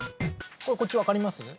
こっち分かります？